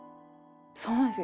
「そうなんですよ」